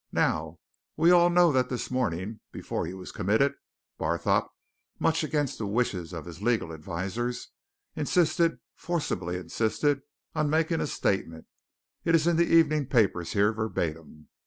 Now, we all know that this morning, before he was committed, Barthorpe, much against the wishes of his legal advisers, insisted, forcibly insisted, on making a statement. It's in the evening papers here, verbatim.